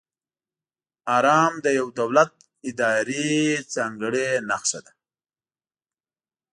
آرم د یو دولت، ادارې ځانګړې نښه ده.